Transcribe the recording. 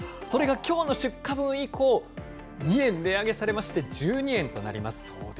それがきょうの出荷分以降、２円値上げされまして、１２円となります。